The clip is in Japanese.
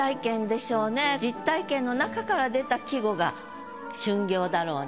実体験の中から出た季語が「春暁」だろうなと。